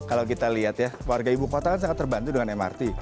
kalau kita lihat ya warga ibu kota kan sangat terbantu dengan mrt